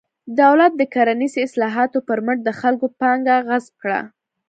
دولت د کرنسۍ اصلاحاتو پر مټ د خلکو پانګه غصب کړه.